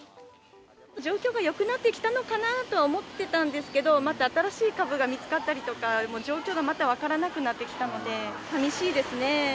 状況がよくなってきたのかなとは思ってたんですけれども、また新しい株が見つかったりとか、状況がまた分からなくなってきたので、さみしいですね。